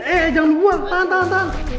eh jangan lupa tahan tahan tahan